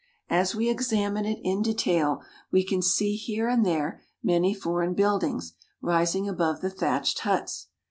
As we examine it in detail, we can see here and there many foreign buildings rising above the thatched huts.